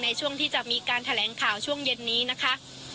ในช่วงที่จะมีการแถลงข่าวช่วงเย็นนี้นะคะ